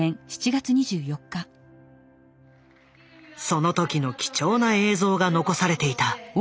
その時の貴重な映像が残されていた。